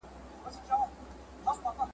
زما په غزل کي لکه شمع هره شپه لګېږې !.